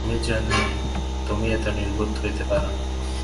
আমি জানি, তুমি এত নির্বোধ হইতেই পার না।